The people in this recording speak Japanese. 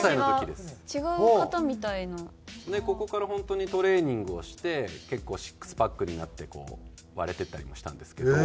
でここから本当にトレーニングをして結構シックスパックになってこう割れてったりもしたんですけど。